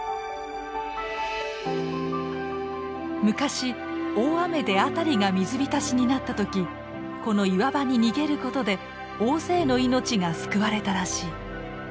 昔大雨で辺りが水浸しになった時この岩場に逃げることで大勢の命が救われたらしい。